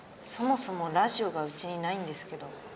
そもそもラジオがうちにないんですけど。